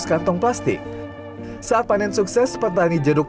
selain rutin membasmi hama buah jeruk juga dibunuh